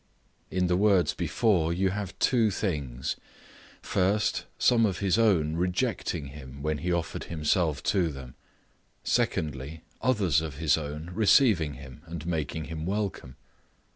In the words before, you have two things— First, Some of his own rejecting him when he offered himself to them. Secondly, Others of his own receiving him, and making him welcome.